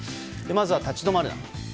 まずは、立ち止まるな。